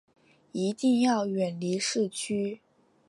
一定要远离市区